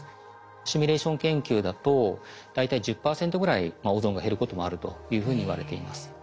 シミュレーション研究だと大体１０％ぐらいオゾンが減ることもあるというふうにいわれています。